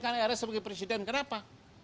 tidak mau mencalonkan rs sebagai presiden kenapa